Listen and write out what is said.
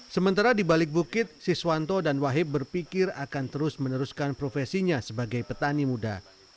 sementara di balik bukit siswanto dan wahid berpikir akan terus meneruskan profesinya sebagai petani muda